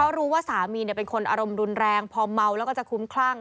รู้ว่าสามีเป็นคนอารมณ์รุนแรงพอเมาแล้วก็จะคุ้มคลั่ง